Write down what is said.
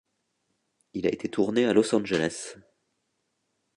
Il a été tourné à Los Angeles.